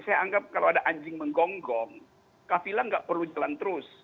saya anggap kalau ada anjing menggonggong kafilah nggak perlu jalan terus